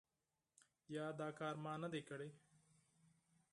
یا دا کار ما نه دی کړی ؟